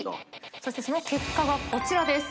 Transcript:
そしてその結果がこちらです。